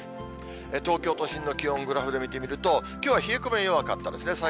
東京都心の気温、グラフで見てみると、きょうは冷え込みは弱かったですね。